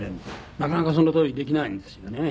なかなかそのとおりにできないんですよね。